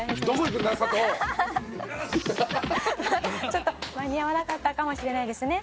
「ちょっと間に合わなかったかもしれないですね」